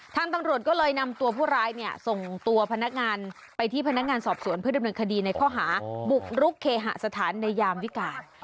ตำรวจก็เลยนำตัวผู้ร้ายเนี่ยส่งตัวพนักงานไปที่พนักงานสอบสวนเพื่อดำเนินคดีในข้อหาบุกรุกเคหสถานในยามวิการ